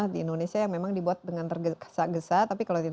di indonesia tetaplah bersama kami